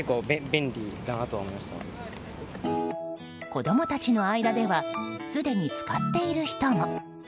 子供たちの間ではすでに使っている人も。